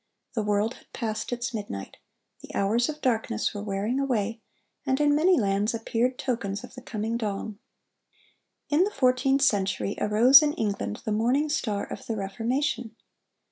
The world had passed its midnight. The hours of darkness were wearing away, and in many lands appeared tokens of the coming dawn. In the fourteenth century arose in England the "morning star of the Reformation."